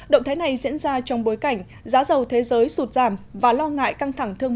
động thái này diễn ra trong bối cảnh giá dầu thế giới sụt giảm và lo ngại căng thẳng thương